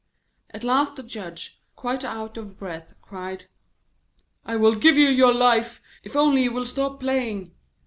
At last the Judge, quite out of breath, cried: 'I will give you your life, if only you will stop playing.'